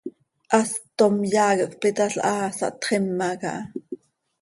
Hast tom yaa quih cöpitalhaa, sahtxima caha.